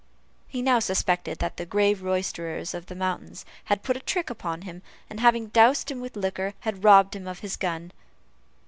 He now suspected that the grave roysterers of the mountains had put a trick upon him, and, having dosed him with liquor, had robbed him of his gun.